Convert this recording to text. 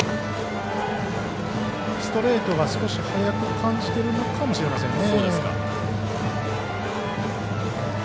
ストレートが少し速く感じてるのかもしれませんね。